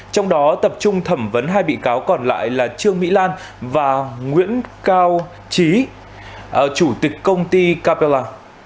trong đó tập trung thẩm vấn hai bị cáo còn lại là trương mỹ lan và nguyễn cao trí chủ tịch công ty capella